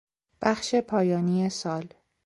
بخش پایانی سال